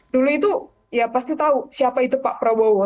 dulu itu ya pasti tahu siapa itu pak prabowo